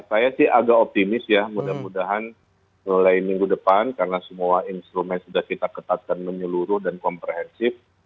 saya sih agak optimis ya mudah mudahan mulai minggu depan karena semua instrumen sudah kita ketatkan menyeluruh dan komprehensif